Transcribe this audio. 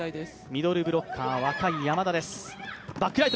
ミドルブロッカー、若い山田です。